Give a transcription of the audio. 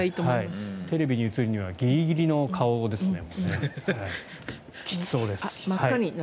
テレビに映るにはギリギリの顔ですね。